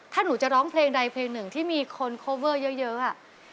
ถ้าหนูจะร้องเพลงใดเพลงหนึ่งที่มีคนโคเวอร์เยอะ